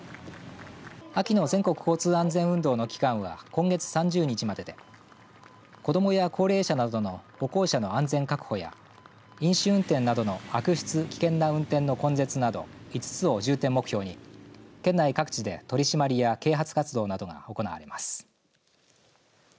秋の全国交通安全運動の期間は今月３０日までで子どもや高齢者などの歩行者の安全確保や飲酒運転など悪質・危険な運転の根絶など５つを重点目標に県内各地で取り締まりや啓発活動などが行われます。